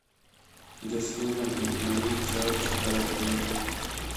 جسمونه برېښنايي چارج غوره کوي.